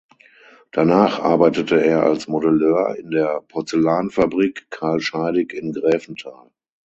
Danach arbeitete er als Modelleur in der Porzellanfabrik Carl Scheidig in Gräfenthal.